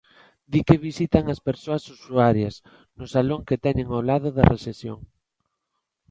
Di que visitan as persoas usuarias, no salón que teñen ao lado da recepción.